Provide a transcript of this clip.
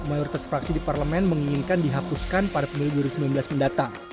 mayoritas fraksi di parlemen menginginkan dihapuskan pada pemilu dua ribu sembilan belas mendatang